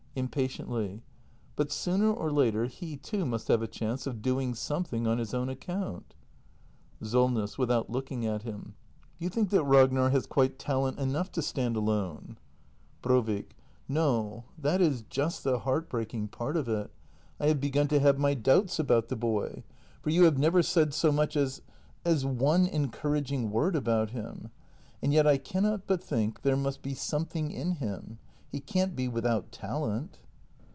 [Impatiently.] But sooner or later he, too, must have a chance of doing something on his own account. SOLNESS. [Without looking at him.] Do you think that Ragnar has quite talent enough to stand alone ? act i] THE MASTER BUILDER 253 Brovik. No, that is just the heartbreaking part of it— I have begun to have my doubts about the boy. For you have never said so much as — as one encouraging word about him. And yet I cannot but think there must be some thing in him — he can't be without talent.